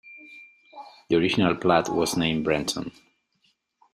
The original plat was named Brenton.